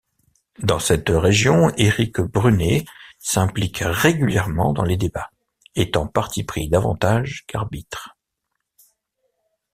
Dans cette émission, Éric Brunet s'implique régulièrement dans les débats, étant parti-pris davantage qu'arbitre.